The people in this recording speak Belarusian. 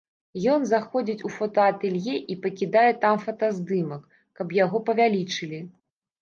Ён заходзіць у фотаатэлье і пакідае там фотаздымак, каб яго павялічылі.